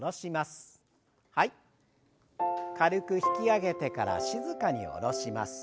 軽く引き上げてから静かに下ろします。